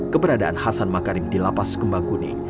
keberadaan hasan makarim di lapas kembang kuning